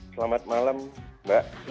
selamat malam mbak